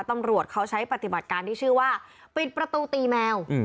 ตำรวจเขาใช้ปฏิบัติการที่ชื่อว่าปิดประตูตีแมว